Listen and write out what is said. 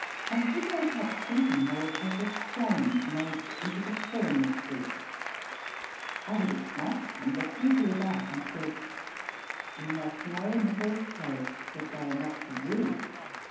One could not help thinking they were precious stones made into the form of fruit. I would have snatched them ; but he drew back, and said, '' You must know, in the first place, that they are not for you.